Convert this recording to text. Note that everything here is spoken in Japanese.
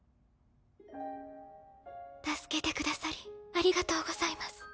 助けてくださりありがとうございます。